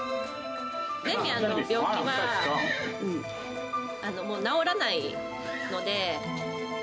デミアンの病気は、もう治らないので。